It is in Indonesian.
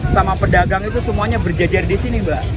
sama pedagang itu semuanya berjejer di sini mbak